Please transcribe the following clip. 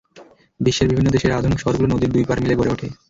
বিশ্বের বিভিন্ন দেশের আধুনিক শহরগুলো নদীর দুই পাড় মিলে গড়ে ওঠে।